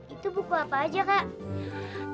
itu buku apa aja kak